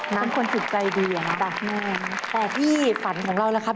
น้ำควรถึงใจดีแต่ที่ฝันของเรานะครับ